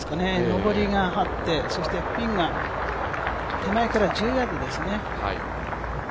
上りがあって、そしてピンが手前から１０ヤードですね。